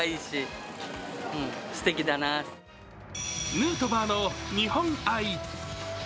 ヌートバーの日本愛。